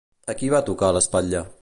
A qui va tocar l'espatlla?